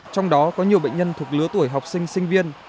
trong đó có nhiều bệnh nhân thuộc lứa tuổi học sinh sinh viên